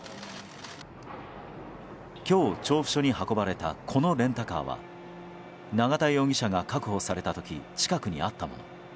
今日、調布署に運ばれたこのレンタカーは永田容疑者が確保された時近くにあったもの。